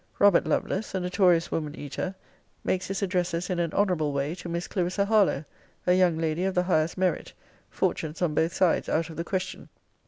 'Robert Lovelace, a notorious woman eater, makes his addresses in an honourable way to Miss Clarissa Harlowe; a young lady of the highest merit fortunes on both sides out of the question.